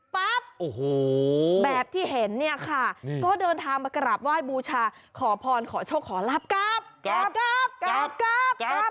ป๊ับแบบที่เห็นนี่ค่ะก็เดินทางมากราบว่ายบูชาขอพรขอโชคขอลับกับกับกับกับกับกับกับ